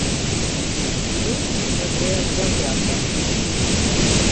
Dilluns na Zoè anirà al teatre.